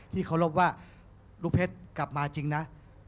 เคารพว่าลูกเพชรกลับมาจริงนะ